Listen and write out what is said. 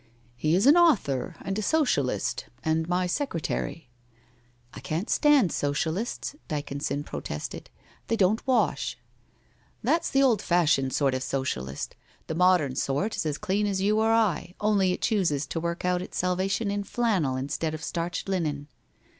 ' He is an author, and a Socialist, and my secretary.' ' I can't stand Socialists,' Dyconson protested. ' They don't wash.' ' That's the old fashioned sort of Socialist, the modern sort is as clean as you or I, only it chooses to work out its salvation in flannel, instead of starched linen.'